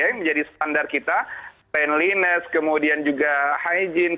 menjadi standar kita cleanliness kemudian juga hygiene